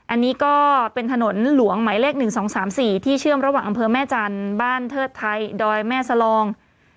อันนี้ก็เป็นถนนหลวงหมายเลข๑๒๓๔ที่เชื่อมระหว่างอำเภอแม่จันทร์บ้านเทิดไทยดอยแม่สลอง